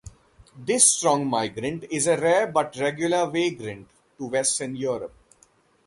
This strong migrant is a rare but regular vagrant to western Europe.